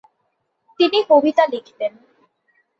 তিনি কবিতা লিখতেন।